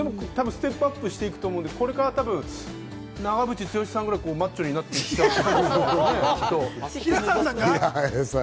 ステップアップしていくと思うので、長渕剛さんみたいにマッチョになっていくのかなと。